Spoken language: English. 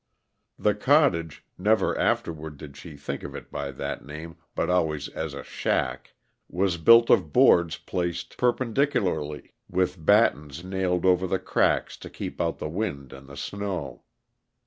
The cottage never afterward did she think of it by that name, but always as a shack was built of boards placed perpendicularly, with battens nailed over the cracks to keep out the wind and the snow.